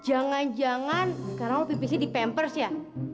jangan jangan sekarang ppc di pampers ya